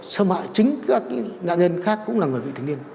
xâm hại chính các nạn nhân khác cũng là người vị thành niên